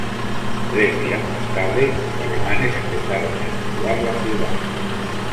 Tres días más tarde, los alemanes empezaron a evacuar la ciudad.